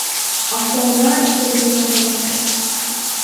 Автоунаа иштебеген абалда турат.